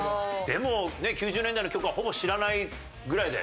でもね９０年代の曲はほぼ知らないぐらいだよね